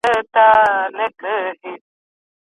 هر عالم خپل ځانګړی لیدلوری لري.